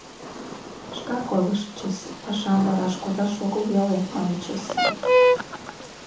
Шкак ойлышычыс, пашаш вараш кодаш огыл веле, маньычыс.